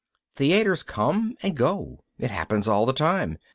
Theaters come and go. It happens all the time.